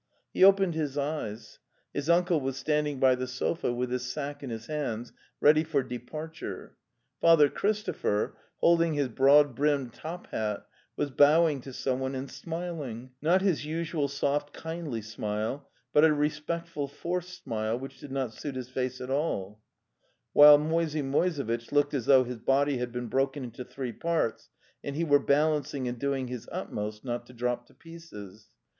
He opened his eyes. ... His uncle was standing by the sofa with his sack in his hands ready for departure; Father Christopher, holding his broad brimmed top hat, was bowing to someone and smiling —not his usual soft kindly smile, but a respectful forced smile which did not suit his face at all— while Moisey Moisevitch looked as though his body had been broken into three parts, and he were balancing and doing his utmost not to drop to pieces.